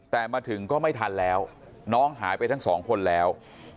แต่มาถึงก็ไม่ทันแล้วน้องหายไปทั้งสองคนแล้ว